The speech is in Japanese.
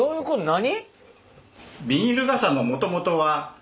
何？